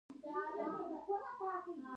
د فراه په قلعه کاه کې د وسپنې نښې شته.